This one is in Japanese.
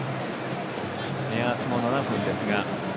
目安は７分です。